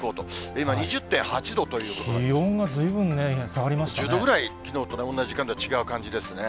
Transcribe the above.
今、２０．８度ということなんで気温がずいぶんね、下がりま１０度ぐらいきのうと同じ時間で違う感じですね。